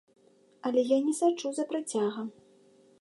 Але я не сачу за працягам.